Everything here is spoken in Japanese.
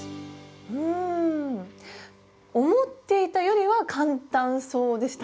うん思っていたよりは簡単そうでした！